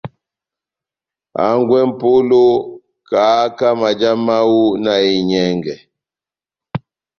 Hangwɛ M'polo, kahaka maja mahu na enyɛngɛ.